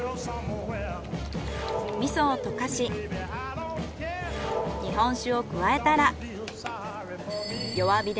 味噌を溶かし日本酒を加えたら。